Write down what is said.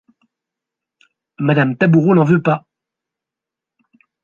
Madame Taboureau n’en veut pas.